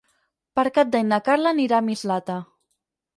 Per Cap d'Any na Carla anirà a Mislata.